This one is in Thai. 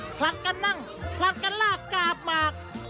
ผลัดกันนั่งผลัดกันลากกาบหมาก